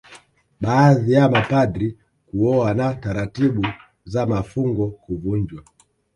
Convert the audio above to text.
Baadhi ya mapadri kuoa na taratibu za mafungo kuvunjwa